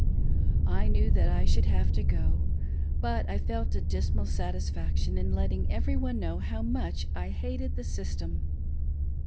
I knew that I should have to go, but J felt a dismal satisfaction in letting every one know how much I hated the system.